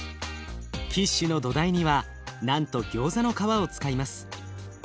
キッシュの土台にはなんとギョーザの皮を使います。